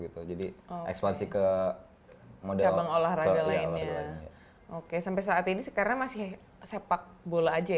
gitu jadi ekspansi ke cabang olahraga lainnya oke sampai saat ini karena masih sepak bola aja